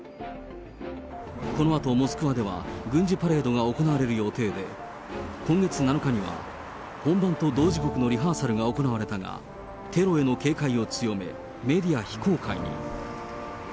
このあとモスクワでは軍事パレードが行われる予定で、今月７日には、本番と同時刻のリハーサルが行われたが、テロへの警戒を強め、メディア非公開に。